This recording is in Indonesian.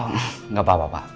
oh gak apa apa pak